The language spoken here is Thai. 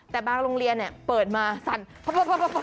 แต่บางโรงเรียนเปิดมาสั่น